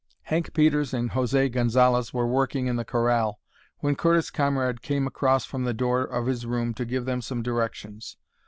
Hank Peters and José Gonzalez were working in the corral when Curtis Conrad came across from the door of his room to give them some directions.